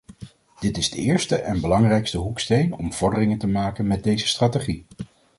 Dit is de eerste en belangrijkste hoeksteen om vorderingen te maken met deze strategie.